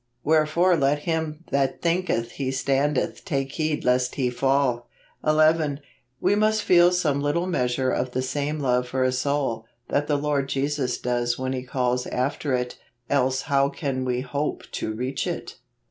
" Wherefore let him that thinketh he standeth take heed lest he fall ." 11. We must feel some little measure of the same love for a soul, that the Lord Jesus does when He calls after it, else how can we hope to reach it